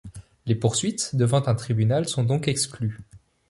Les poursuites devant un tribunal sont donc exclues.